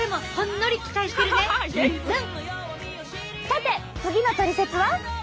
さて次のトリセツは？